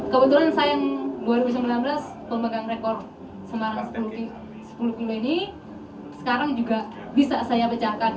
kebetulan saya yang dua ribu sembilan belas pemegang rekor semarang sepuluh kilo ini sekarang juga bisa saya pecahkan